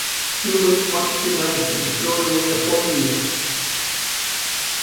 He looked much too nice to be thrown away upon you.